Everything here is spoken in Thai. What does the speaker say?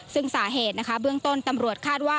ซึ่งสาเหตุนะคะเบื้องต้นตำรวจคาดว่า